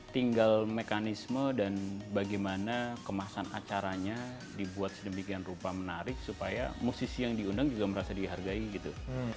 tinggal mekanisme dan bagaimana kemasan acaranya dibuat sedemikian rupa menarik supaya musisi yang diundang juga merasa dihargai gitu